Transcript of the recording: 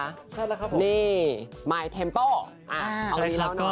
ใช่แล้วครับผมนี่มายเทมโปเอาอันนี้เล่าหน่อย